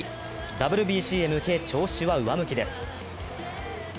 ＷＢＣへ向け調子は上向きです。